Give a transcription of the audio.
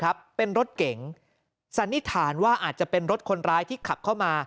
เป็นรถเก๋งสันนิษฐานว่าอาจจะเป็นรถคนร้ายที่ขับเข้ามา